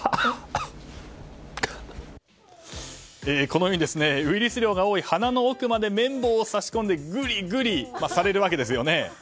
このようにウイルス量が多い鼻の奥まで綿棒をさし込んでグリグリされるわけですよね。